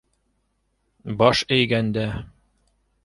Баш эйгәндә